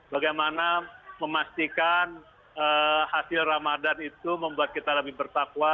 bagaimana memastikan hasil ramadan itu membuat kita lebih bertakwa